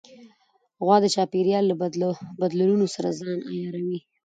غوا د چاپېریال له بدلونونو سره ځان عیاروي.